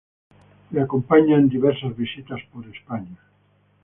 Le acompaña en diversas visitas por España.